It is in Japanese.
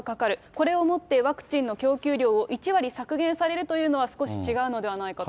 これをもってワクチンの供給量を１割削減されるというのは、少し違うのではないかと。